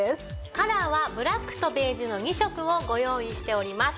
カラーはブラックとベージュの２色をご用意しております。